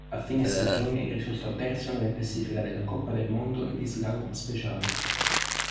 A fine stagione risultò terzo nella classifica della Coppa del Mondo di slalom speciale.